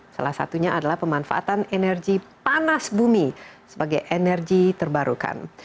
salah satunya adalah pemanfaatan energi panas bumi sebagai energi terbarukan